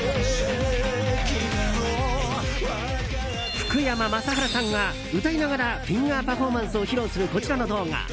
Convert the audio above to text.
福山雅治さんが、歌いながらフィンガーパフォーマンスを披露するこちらの動画。